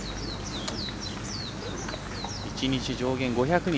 １日上限５００人。